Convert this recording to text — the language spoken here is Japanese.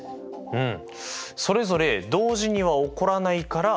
うん。